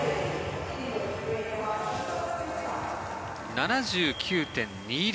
７９．２０。